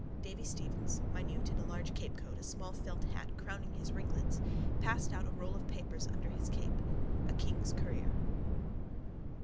Davy Stephens, minute in a large capecoat, a small felt hat crowning his ringlets, passed out with a roll of papers under his cape, a king's courier.